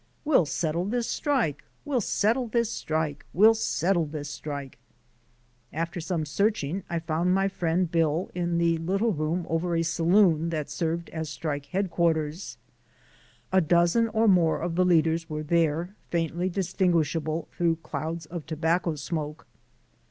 "We'll settle this strike: we'll settle this strike: we'll settle this strike." After some searching I found my friend Bill in the little room over a saloon that served as strike headquarters. A dozen or more of the leaders were there, faintly distinguishable through clouds of tobacco smoke.